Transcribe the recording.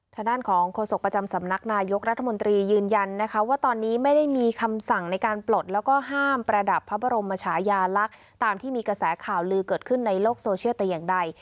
ทางด้านของโฆษกประจำสำนักนายกรัฐมนตรียืนยันนะคะว่าตอนนี้ไม่ได้มีคำสั่งในการปลดแล้วก็ห้ามประดับพระบรมชายาลักษณ์ตามที่มีกระแสข่าวลือเกิดขึ้นในโลกโซเชียลแต่อย่างใด